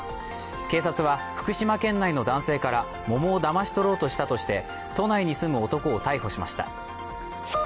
警察は、福島県内の農家から桃をだまし取ろうとしたとして都内に住む男を逮捕しました。